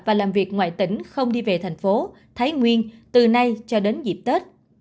và làm việc ngoại tỉnh không đi về thành phố thái nguyên từ nay cho đến dịp tết